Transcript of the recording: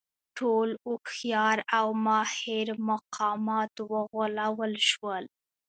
ټول هوښیار او ماهر مقامات وغولول شول.